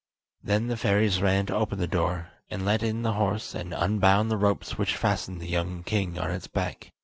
Then the fairies ran to open the door, and let in the horse and unbound the ropes which fastened the young king on its back.